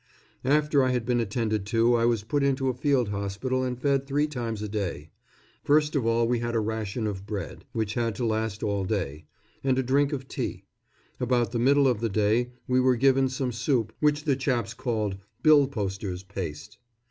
After I had been attended to I was put into a field hospital and fed three times a day. First of all we had a ration of bread, which had to last all day, and a drink of tea; about the middle of the day we were given some soup, which the chaps called "bill posters' paste."